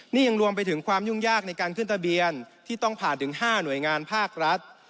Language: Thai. นี่ยังรวมไปถึงความยุ่งยากในการขึ้นทะเบียนที่ต้องผ่านถึง๕หน่วยงานภาครัฐ